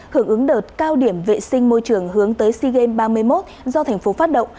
hưởng ứng đợt cao điểm vệ sinh môi trường hướng tới sea games ba mươi một do thành phố phát động